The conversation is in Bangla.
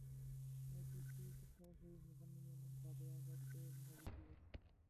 নদীর পানির স্রোত সরাসরি বন্যানিয়ন্ত্রণ বাঁধে আঘাত করায় ভাঙন বৃদ্ধি পেয়েছে।